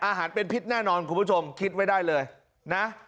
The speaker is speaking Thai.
อาหารเป็นพิษแน่นอนคุณผู้ชมคิดไว้ได้เลยนะ